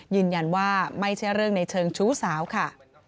ยืนยันว่าไม่ใช่เรื่องในเชิงชู้สาวค่ะ